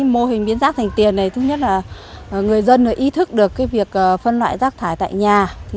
mô hình biến rác thành tiền này thứ nhất là người dân ý thức được việc phân loại rác thải tại nhà